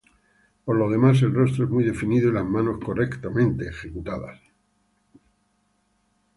Por lo demás, el rostro es muy definido y las manos correctamente ejecutadas.